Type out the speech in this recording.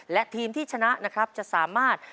และทีมที่ชนะนะครับจะสามารถ